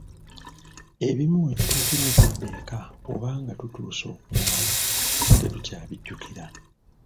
Ebimu we tutuukira okudda eka oba nga tutuuse okunaaba tuba tetukyabijjukira.